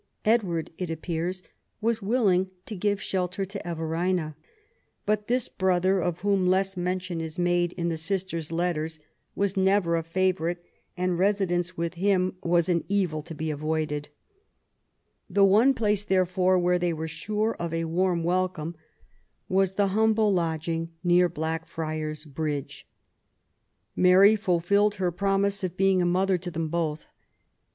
Edward, it appears, was willing to give shelter to Eve rina ; but this brother, of whom less mention is made in the sisters* letters, was never a favourite, and re sidence with him was an evil to be avoided. The one place, therefore, where they were sure of a warm welcome was the humble lodging near Slackfriars' 74 MABY W0LL8T0NE0BAFT GODWIN. Bridge. Mary fulfilled her promise of being a mother to them both.